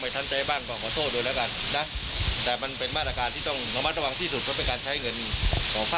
ผมทราบดีว่าทุกคนเดือดร้อนและเดือดร้อนเวลาเดียวกันด้วย